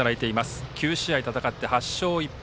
９試合戦って８勝１敗。